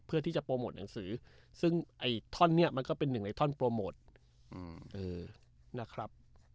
เพื่อที่จะโปรโมทหนังสือซึ่งไอ้ท่อนนี้มันก็เป็นหนึ่งในท่อนโปรโมทนะครับ